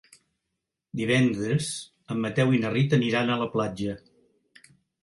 Divendres en Mateu i na Rita aniran a la platja.